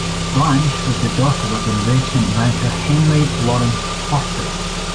Blanche was the daughter of investment banker Henry Lawrence Horton.